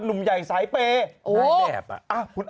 กับหนุ่มใหญ่สายเปไมมั้นเอ๊คลายกันอ่ะ